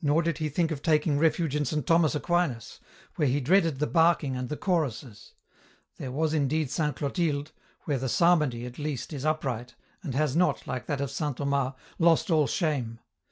Nor did he think of taking refuge in St. Thomas Aquinas, where he dreaded the barking and the choruses ; there was indeed St. Clotilde, where the psalmody, at least, is upright, and has not, like that of St. Thomas, lost all shame.